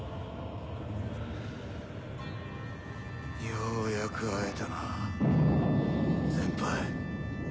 ようやく会えたな先輩。